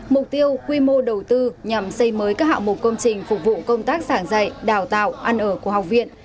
mục tiêu quy mô đầu tư nhằm xây mới các hạng mục công trình phục vụ công tác sảng dạy đào tạo ăn ở của học viện